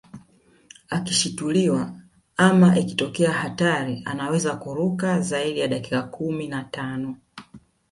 Akishituliwa ama ikitokea hatari anaweza kuruka zaidi ya dakika kumi na tano